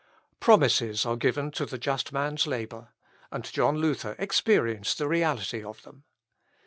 Promises are given to the just man's labour, and John Luther experienced the reality of them.